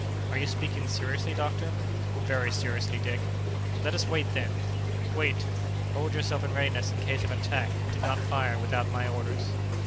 "Are you speaking seriously, doctor?" "Very seriously, Dick." "Let us wait, then!" "Wait! Hold yourself in readiness in case of an attack, but do not fire without my orders."